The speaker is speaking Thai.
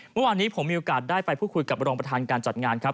เมื่อวานนี้ผมมีโอกาสได้ไปพูดคุยกับรองประธานการจัดงานครับ